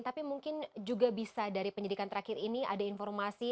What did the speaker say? tapi mungkin juga bisa dari penyidikan terakhir ini ada informasi